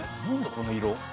この色。